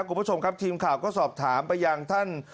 คุณผู้ชมครับทีมข่าวก็สอบถามไปยังท่าน